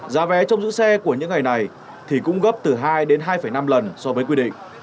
giá vé trong giữ xe của những ngày này thì cũng gấp từ hai đến hai năm lần so với quy định